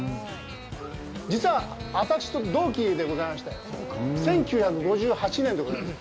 実は、あたくしと同期でございまして１９５８年でございます。